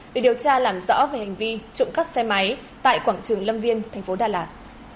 để điều tra làm rõ về hành vi trộm cắp xe máy tại quảng trường lâm viên thành phố đà lạt